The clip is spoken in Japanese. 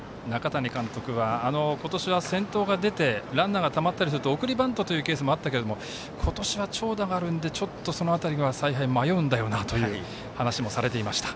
中谷監督は今年は先頭が出てランナーがたまったりすると送りバントというケースもあったりするけど今年は長打があるのでちょっとその辺りの采配、迷うんだよなという話もされていました。